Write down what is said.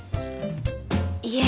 いえ。